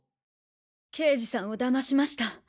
刑事さんを騙しました。